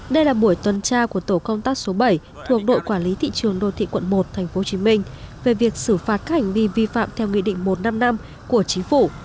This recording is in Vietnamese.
đây là buổi tuần tra của tổ công tác số bảy thuộc đội quản lý thị trường đô thị quận một tp hcm về việc xử phạt các hành vi vi phạm theo nghị định một trăm năm mươi năm của chính phủ